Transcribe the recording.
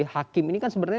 hakim ini kan sebenarnya